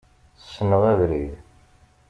Ssneɣ abrid.